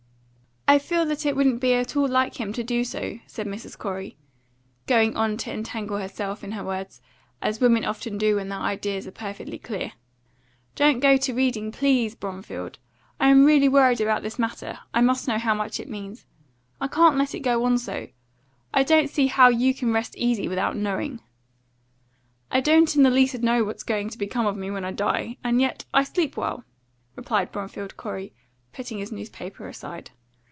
"I feel that it wouldn't be at all like him to do so," said Mrs. Corey, going on to entangle herself in her words, as women often do when their ideas are perfectly clear. "Don't go to reading, please, Bromfield! I am really worried about this matter I must know how much it means. I can't let it go on so. I don't see how you can rest easy without knowing." "I don't in the least know what's going to become of me when I die; and yet I sleep well," replied Bromfield Corey, putting his newspaper aside.